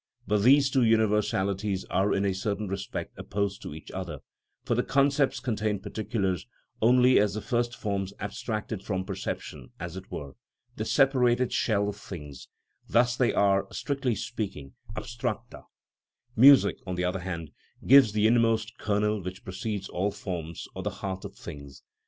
But these two universalities are in a certain respect opposed to each other; for the concepts contain particulars only as the first forms abstracted from perception, as it were, the separated shell of things; thus they are, strictly speaking, abstracta; music, on the other hand, gives the inmost kernel which precedes all forms, or the heart of things.